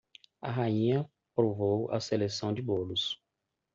A rainha provou a seleção de bolos.